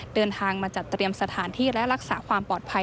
เดินทางมาจัดเตรียมสถานที่และรักษาความปลอดภัย